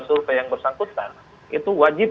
survei yang bersangkutan itu wajib